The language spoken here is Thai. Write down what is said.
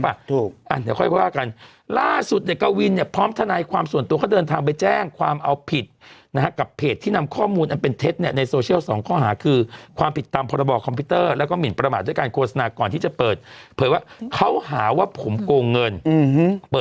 ถูกอ่ะเดี๋ยวค่อยว่ากันล่าสุดเนี่ยกวินเนี่ยพร้อมทนายความส่วนตัวเขาเดินทางไปแจ้งความเอาผิดนะฮะกับเพจที่นำข้อมูลอันเป็นเท็จเนี่ยในโซเชียลสองข้อหาคือความผิดตามพรบคอมพิวเตอร์แล้วก็หมินประมาทด้วยการโฆษณาก่อนที่จะเปิดเผยว่าเขาหาว่าผมโกงเงินอืมเปิด